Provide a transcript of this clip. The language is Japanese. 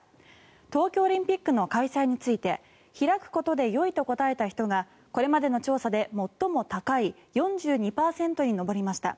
東京オリンピックの開催について開くことでよいと答えた人がこれまでの調査で最も高い４２％に上りました。